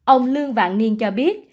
ông lương vạn niên cho biết